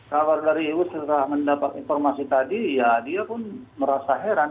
kabar dari ibu setelah mendapat informasi tadi ya dia pun merasa heran